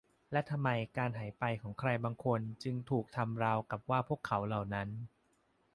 และทำไมการหายไปของใครบางคนจึงถูกทำราวกับว่าพวกเขาเหล่านั้น